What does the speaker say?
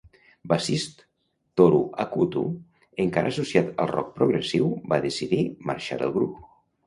Bassist Tohru Akutu, encara associat al rock progressiu, va decidir marxar del grup.